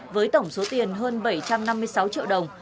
với tổng số tiền hơn bảy trăm năm mươi sáu triệu đồng